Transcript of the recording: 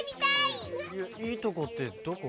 いいとこってどこ？